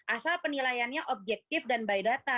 asal penilaiannya objektif dan by data